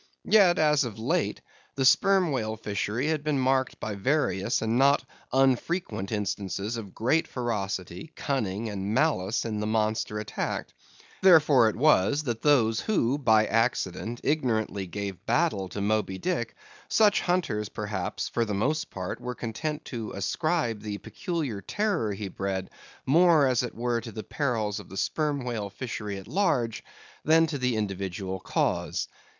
Yet as of late the Sperm Whale fishery had been marked by various and not unfrequent instances of great ferocity, cunning, and malice in the monster attacked; therefore it was, that those who by accident ignorantly gave battle to Moby Dick; such hunters, perhaps, for the most part, were content to ascribe the peculiar terror he bred, more, as it were, to the perils of the Sperm Whale fishery at large, than to the individual cause.